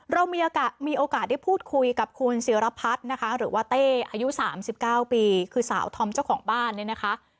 เรามีโอกาสได้พูดคุยกับคุณศิรพัฒน์นะคะหรือว่าเต้อายุ๓๙ปีคือสาวธอมเจ้าของบ้านเนี่ยนะคะ